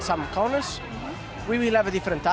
kita akan memiliki kereta berbeda